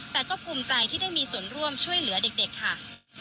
แต่ก็ภูมิใจที่ได้มีส่วนร่วมช่วยเหลือเด็กค่ะ